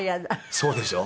そうでしょう？